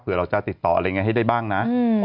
เพื่อเราจะติดต่ออะไรอย่างนี้ให้ได้บ้างนะ